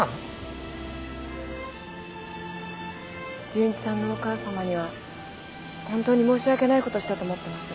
純一さんのお母さまには本当に申し訳ないことしたと思ってます。